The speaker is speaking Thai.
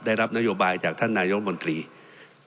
ได้รับนโยบายจากท่านนายองค์บริษัท